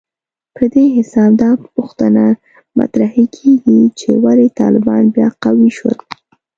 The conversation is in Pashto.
په دې حساب دا پوښتنه مطرحېږي چې ولې طالبان بیا قوي شول